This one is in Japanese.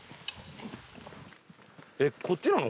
えっこっちなの？